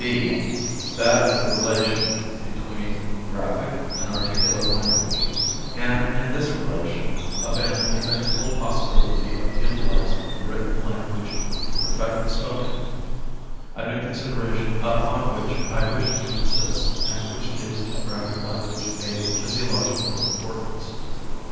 (b) That of the relation between graphic and articulate language and, in this relation, of an eventual possibility of utilising the written language to perfect the spoken: a new consideration upon which I wish to insist and which gives to graphic language a physiological importance.